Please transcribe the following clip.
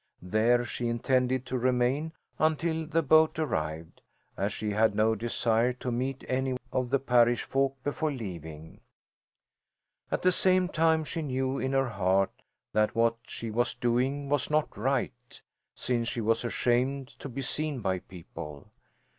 There she intended to remain until the boat arrived, as she had no desire to meet any of the parish folk before leaving. At the same time she knew in her heart that what she was doing was not right, since she was ashamed to be seen by people.